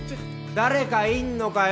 誰かいんのかよ！